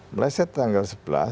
meleset tanggal sebelas